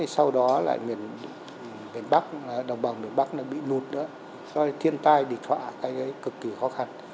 sau đó đồng bào miền bắc bị lụt thiên tai địch họa cực kỳ khó khăn